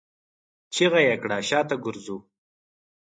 چيغه يې کړه! شاته ګرځو!